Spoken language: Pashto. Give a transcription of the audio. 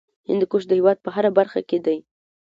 هندوکش د هېواد په هره برخه کې دی.